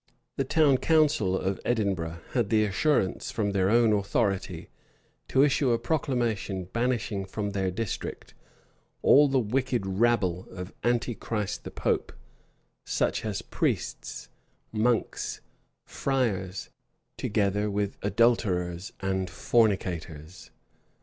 [] The town council of Edinburgh had the assurance, from their own authority, to issue a proclamation banishing from their district "all the wicked rabble of Antichrist the pope, such as priests, monks, friars, together with adulterers and fornicators."